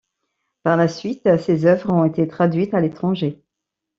Par la suite, ses œuvres ont été traduites à l’étranger.